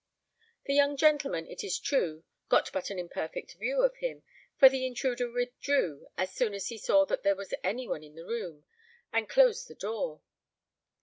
The young gentleman, it is true, got but an imperfect view of him, for the intruder withdrew as soon as he saw that there was any one in the room, and closed the door.